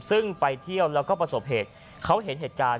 ซึ่งไปเที่ยวแล้วก็ประสบเหตุเขาเห็นเหตุการณ์